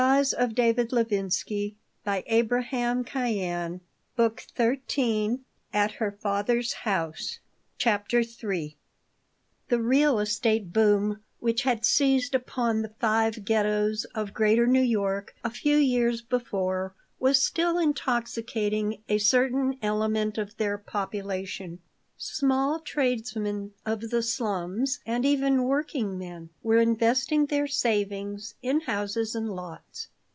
"Let us say no more about it." And he made an awkward effort to talk Zionism again CHAPTER III THE real estate "boom" which had seized upon the five Ghettos of Greater New York a few years before was still intoxicating a certain element of their population. Small tradesmen of the slums, and even working men, were investing their savings in houses and lots.